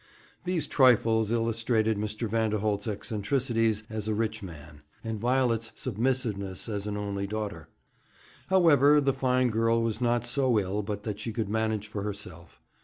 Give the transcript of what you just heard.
These trifles illustrated Mr. Vanderholt's eccentricities as a rich man, and Violet's submissiveness as an only daughter. However, the fine girl was not so ill but that she could manage for herself.